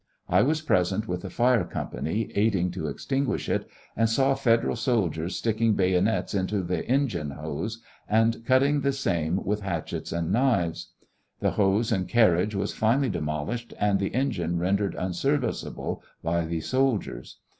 I was present with the fire company, aiding to extinguish it, and saw Federal soldiers stick ing bayonets into the engine hose, and cutting the same with hatchets and knives. The hose and carriage was finally demolished, and the engine rendered unser viceable by the soldiers.